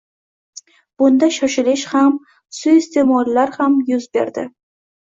Bunda shoshilish ham, suiiste’mollar ham yuz berdi.